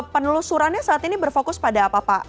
penelusurannya saat ini berfokus pada apa pak